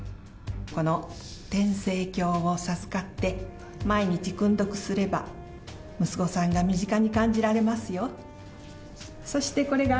この天聖経を授かって、毎日訓読すれば、息子さんが身近に感じられますよ。